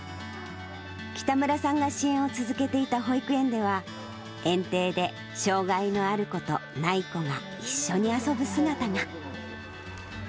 北村さんが支援を続けていた保育園では、園庭で障がいのある子とない子が一緒に遊ぶ姿が。